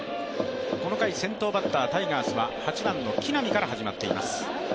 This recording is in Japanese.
この回先頭バッター、タイガースは８番の木浪から始まっています。